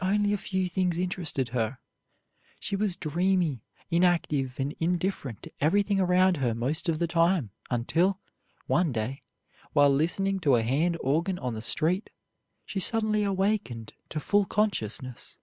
Only a few things interested her. She was dreamy, inactive, and indifferent to everything around her most of the time until, one day, while listening to a hand organ on the street, she suddenly awakened to full consciousness.